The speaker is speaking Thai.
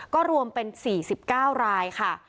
ก็รวมเป็น๔๙รายค่ะ